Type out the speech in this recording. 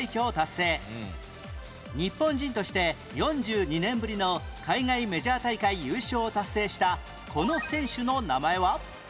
日本人として４２年ぶりの海外メジャー大会優勝を達成したこの選手の名前は？